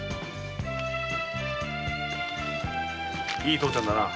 いい父ちゃんだな。